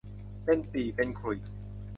เป็นปี่เป็นขลุ่ย